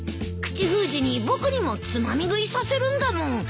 口封じに僕にもつまみ食いさせるんだもん。